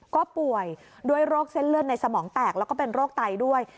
ก็ป่วยด้วยโรคเส้นเลือดในสมองแตกแล้วก็เป็นโรคไตด้วย